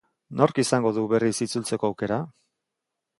Nork izango du berriz itzultzeko aukera?